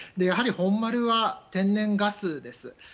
やはり、本丸は天然ガスです。